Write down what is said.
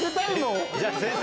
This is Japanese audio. じゃあ先生